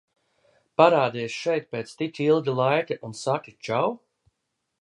"Parādies šeit pēc tik ilga laika, un saki "čau"?"